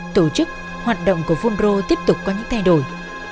tổ chức hoạt động của fungro tiếp tục có những thay đổi